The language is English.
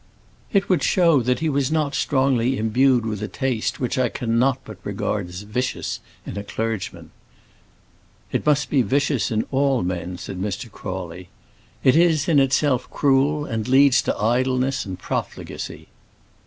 "It would show that he was not strongly imbued with a taste which I cannot but regard as vicious in a clergyman." "It must be vicious in all men," said Mr. Crawley. "It is in itself cruel, and leads to idleness and profligacy."